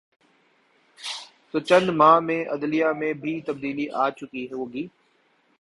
تو چند ماہ میں عدلیہ میں بھی تبدیلی آ چکی ہو گی۔